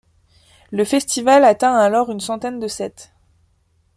Le festival atteint alors une centaine de sets.